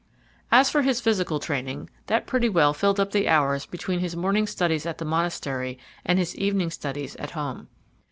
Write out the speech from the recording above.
As for his physical training, that pretty well filled up the hours between his morning studies at the monastery and his evening studies at home.